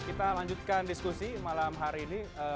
kita lanjutkan diskusi malam hari ini